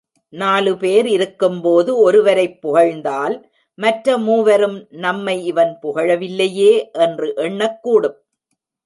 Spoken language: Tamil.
நாலு பேர் இருக்கும்போது ஒருவரைப் புகழ்ந்தால் மற்ற மூவரும், நம்மை இவன் புகழவில்லையே! என்று எண்ணக் கூடும்.